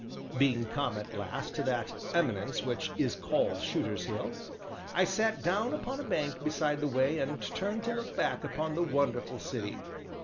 Being come at last to that eminence which is called Shooter's Hill, I sat down upon a bank beside the way and turned to look back upon the wonderful city.